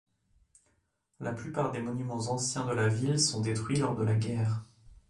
La plupart des monuments anciens de la ville sont détruits lors de la guerre.